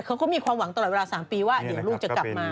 เขาก็มีความหวังตลอดเวลา๓ปีว่าเดี๋ยวลูกจะกลับมา